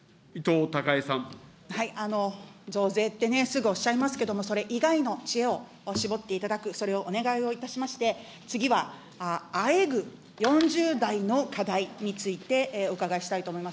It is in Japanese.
増税ってね、すぐおっしゃいますけども、それ以外の知恵を絞っていただく、それをお願いをいたしまして、次は、あえぐ４０代の課題について、お伺いしたいと思います。